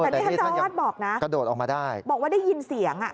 แต่ท่านเจ้าวาดบอกนะบอกว่าได้ยินเสียง